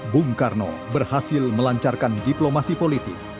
bung karno berhasil melancarkan diplomasi politik